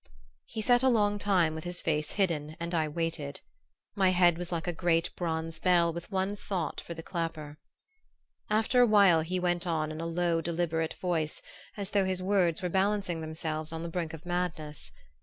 He sat a long time with his face hidden and I waited. My head was like a great bronze bell with one thought for the clapper. After a while he went on in a low deliberate voice, as though his words were balancing themselves on the brink of madness.